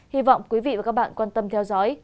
hy vọng quý vị và các bạn quan tâm theo dõi